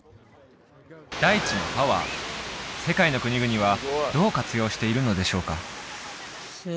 大地のパワー世界の国々はどう活用しているのでしょうか？